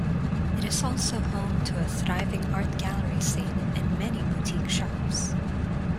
It is also home to a thriving art gallery scene and many boutique shops.